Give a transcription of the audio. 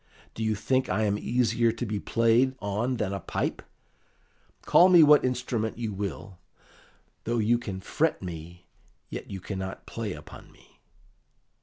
Do you think I am easier to be played on than a pipe? Call me what instrument you will, though you can fret me, yet you cannot play upon me."